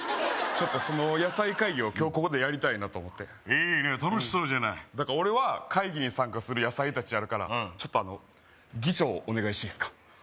ちょっとその野菜会議を今日ここでやりたいなと思っていいね楽しそうじゃない俺は会議に参加する野菜達やるからちょっとあの議長をお願いしていいですか？